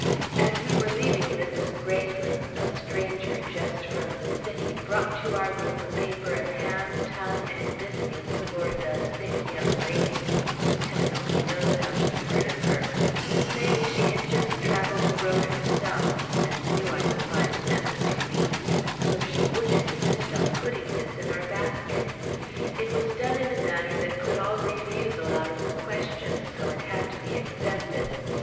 As we were leaving Mrs. Greyson's, a stranger just from the city, brought to our room a paper of ham, tongue, and biscuits for "the sick young lady" (Heaven only knows how she heard of her), saying she had just traveled the road herself, and knew I would find nothing to eat; so she would insist on putting this in our basket. It was done in a manner that put all refusal out of the question; so it had to be accepted.